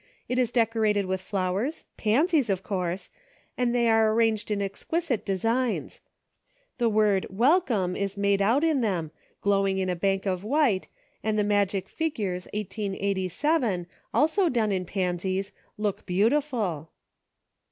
It is decorated with flowers, pansies, of course, and they are arranged in exquisite designs. The word WELCOME is made out of them, glowing in a bank of white, and the magic figures 1887, also done in pansies, look beautiful."